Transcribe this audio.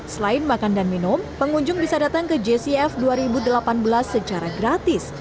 selain makan dan minum pengunjung bisa datang ke jcf dua ribu delapan belas secara gratis